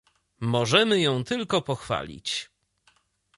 Możemy ją tylko pochwalić